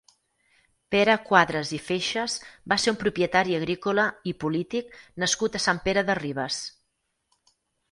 Pere Cuadras i Feixes va ser un propietari agrícola i polític nascut a Sant Pere de Ribes.